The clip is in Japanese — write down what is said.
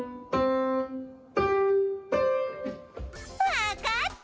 わかった！